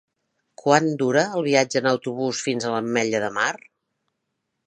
Quant dura el viatge en autobús fins a l'Ametlla de Mar?